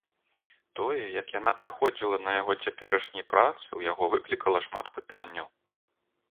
Тое, як яна праходзіла на яго цяперашняй працы, у яго выклікала шмат пытанняў.